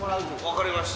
分かりました。